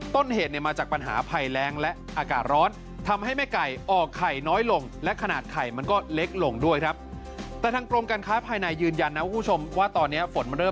ต้นเหตุมาจากปัญหาไผล้แรงและอากาศร้อน